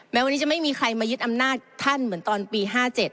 วันนี้จะไม่มีใครมายึดอำนาจท่านเหมือนตอนปี๕๗